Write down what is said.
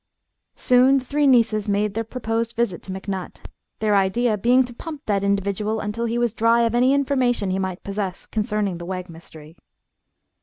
Soon the three nieces made their proposed visit to McNutt, their idea being to pump that individual until he was dry of any information he might possess concerning the Wegg mystery.